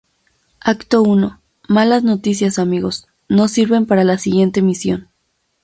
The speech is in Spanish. Acto I: ¡Malas noticias amigos, no sirven para la siguiente misión!